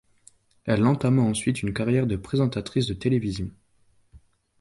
Elle entama ensuite une carrière de présentatrice de télévision.